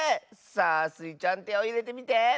さあスイちゃんてをいれてみて！